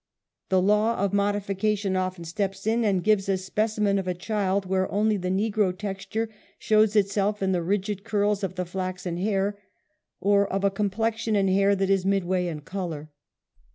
The law of modification often steps in and gives a specimen of a child where only the negro texture shows itself in the rigid curls of the flaxen hair, or of a complexion and hair that is midway in color.